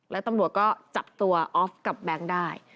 แล้วตำรวจก็จับตัวออฟกับแบงค์ได้